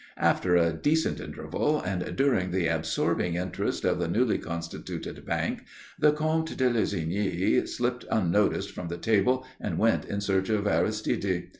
After a decent interval, and during the absorbing interest of the newly constituted bank, the Comte de Lussigny slipped unnoticed from the table and went in search of Aristide.